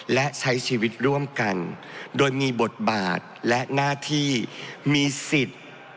และใช้ชีวิตร่วมกันโดยมีบทบาทและหน้าที่มีสิทธิ์